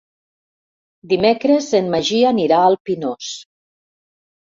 Dimecres en Magí anirà al Pinós.